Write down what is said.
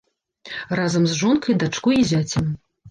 Разам з жонкай, дачкой і зяцем.